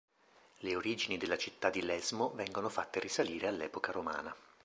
Le origini della città di Lesmo vengono fatte risalire all'epoca romana.